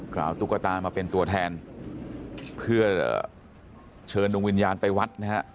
ก็เอาตุ๊กตามาเป็นตัวแทนเพื่อเชิญดวงวิญญาณไปวัดนะฮะ